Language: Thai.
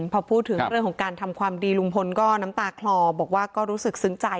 พอพูดถึงเรื่องของการทำความดีลุงพลก็น้ำตาคลอบอกว่าก็รู้สึกซึ้งใจ